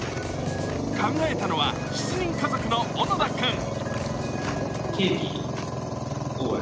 考えたのは７人家族の小野田君。